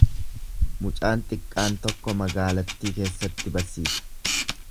Mucaan xiqqaan tokko magaalattii keessatti barsiisa.